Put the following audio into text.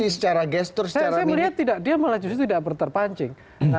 saya melihat dia malah justru tidak berterpancing